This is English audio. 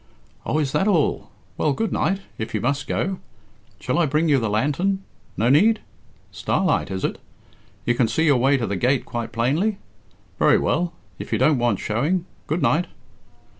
"Oh, is that all? Well, good night, if you must go. Shall I bring you the lantern? No need? Starlight, is it? You can see your way to the gate quite plainly? Very well, if you don't want showing. Good night!"